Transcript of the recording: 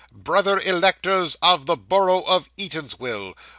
Brother electors of the borough of Eatanswill.